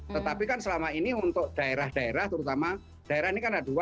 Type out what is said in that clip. tetapi kan selama ini untuk daerah daerah terutama daerah ini kan ada dua